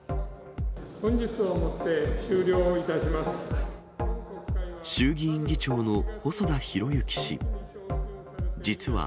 本日をもって終了をいたしま衆議院議長の細田博之氏。